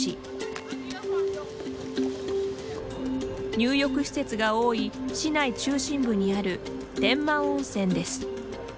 入浴施設が多い市内中心部にある天満温泉です。